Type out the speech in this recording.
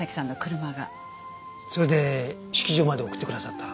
それで式場まで送ってくださった？